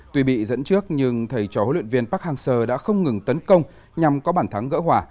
tuy bị dẫn trước nhưng thầy trò huyện viên park hang seo đã không ngừng tấn công nhằm có bản thắng gỡ hỏa